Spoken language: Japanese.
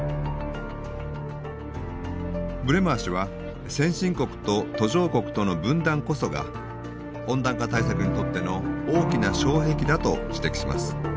ブレマー氏は先進国と途上国との分断こそが温暖化対策にとっての大きな障壁だと指摘します。